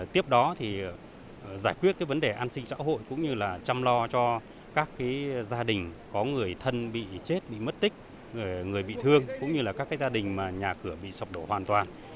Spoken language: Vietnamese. tiếp đó thì giải quyết vấn đề an sinh xã hội cũng như là chăm lo cho các gia đình có người thân bị chết bị mất tích người bị thương cũng như là các gia đình mà nhà cửa bị sập đổ hoàn toàn